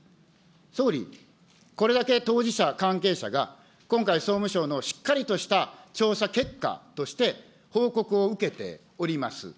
総理、これだけ当事者、関係者が今回、総務省のしっかりとした調査結果として報告を受けております。